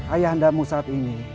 ayah anda mu saat ini